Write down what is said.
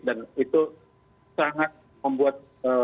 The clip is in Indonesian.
dan itu sangat membuat